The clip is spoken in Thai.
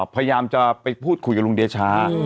พยายามจะไปพูดคุยกับลุงเดชา